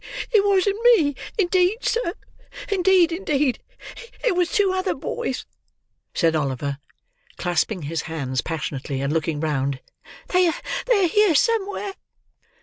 "It wasn't me indeed, sir. Indeed, indeed, it was two other boys," said Oliver, clasping his hands passionately, and looking round. "They are here somewhere."